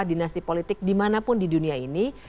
dinasti politik dimanapun di dunia ini